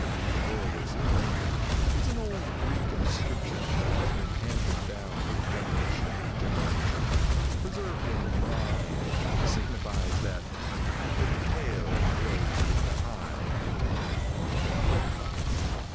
'E Pluri bus Unum' is an old Greek inscription that has been handed down from generation to generation, preserved in brine, and signifies that 'the tail goes with the hide.'"